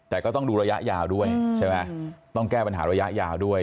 แต่ก็ต้องดูระยะยาวด้วยใช่ไหมต้องแก้ปัญหาระยะยาวด้วย